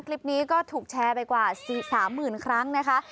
คลิปนี้ก็ถูกแชร์ไปกว่า๓๐๐๐ครั้งนะคะ